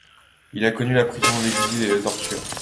Il a connu la prison, l'exil et la torture.